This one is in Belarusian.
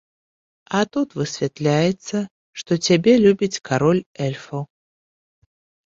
А тут высвятляецца, што цябе любіць кароль эльфаў!